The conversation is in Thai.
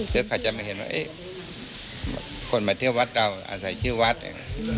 เขาจะไม่เห็นว่าคนมาเที่ยววัดเราอาศัยชื่อวัดเอง